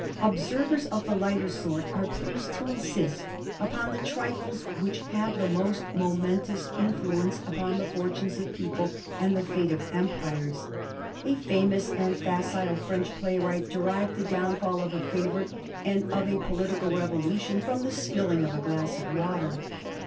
[Sidenote: 1760 Lord Bute] Observers of the lighter sort are pleased to insist upon the trifles which have the most momentous influence upon the fortunes of peoples and the fates of empires. A famous and facile French playwright derived the downfall of a favorite and of a political revolution from the spilling of a glass of water.